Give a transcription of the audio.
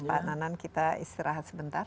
pak nanan kita istirahat sebentar